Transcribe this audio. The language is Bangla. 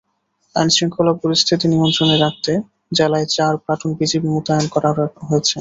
আইনশৃঙ্খলা পরিস্থিতি নিয়ন্ত্রণে রাখতে জেলায় চার প্লাটুন বিজিবি মোতায়েন করা হয়েছে।